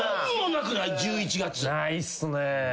ないっすね。